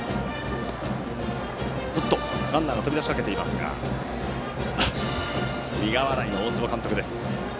ランナーが飛び出しかけていますが苦笑いの大坪監督です。